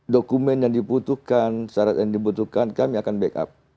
dokumen yang dibutuhkan syarat yang dibutuhkan kami akan backup